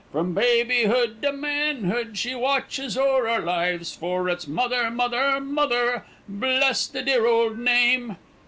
From babyhood to manhood, she watches o'er our lives, For it's mother, mother, mother, bless the dear old name.